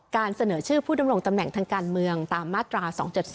เสนอชื่อผู้ดำรงตำแหน่งทางการเมืองตามมาตรา๒๗๒